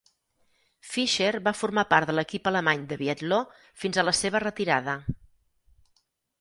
Fischer va formar part de l'equip alemany de biatló fins a la seva retirada.